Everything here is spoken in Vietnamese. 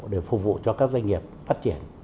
để phục vụ cho các doanh nghiệp phát triển